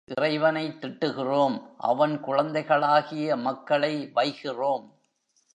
இறைவனைத் திட்டுகிறோம், அவன் குழந்தைகளாகிய மக்களை வைகிறோம்.